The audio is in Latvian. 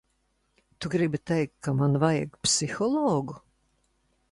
Tu gribi teikt, ka man vajag psihologu?